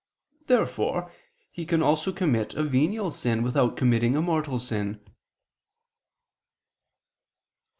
Therefore he can also commit a venial sin without committing a mortal sin. Obj.